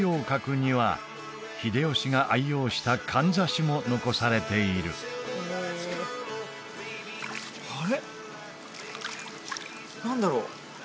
閣には秀吉が愛用したかんざしも残されているあれ何だろう